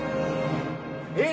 えっ？